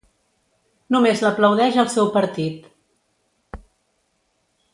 Només l’aplaudeix el seu partit.